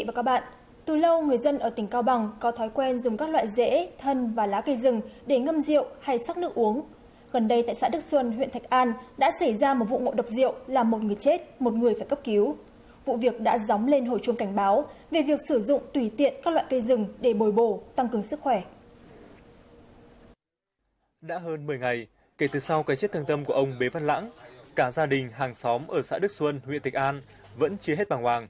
các bạn hãy đăng ký kênh để ủng hộ kênh của chúng mình nhé